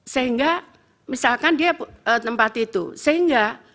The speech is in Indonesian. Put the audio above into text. sehingga misalkan dia tempat itu sehingga